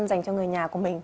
dành cho người nhà của mình